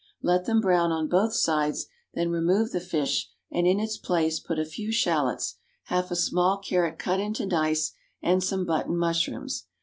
Let them brown on both sides, then remove the fish, and in its place put a few shallots, half a small carrot cut into dice, and some button mushrooms.